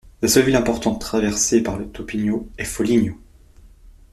La seule ville importante traversée par le Topino est Foligno.